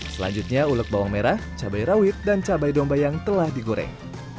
selanjutnya ulek bawang merah cabai rawit dan cabai domba yang telah digoreng